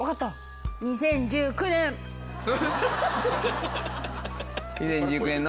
２０１９年の？